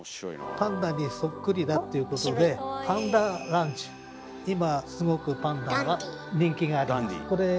パンダにそっくりだっていうことで今すごく「パンダ」は人気があります。